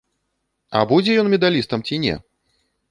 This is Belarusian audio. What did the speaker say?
А будзе ён медалістам ці не?